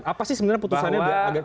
apa sih sebenarnya putusannya